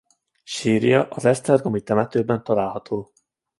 Sírja az esztergomi temetőben található.